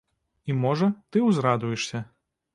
І, можа, ты ўзрадуешся.